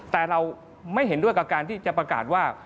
แต่เราไม่เห็นด้วยกับการที่จะประกาศว่า